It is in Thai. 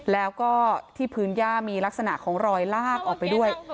แล้วก็ที่พื้นย่ามีลักษณะของรอยลากออกไปด้วย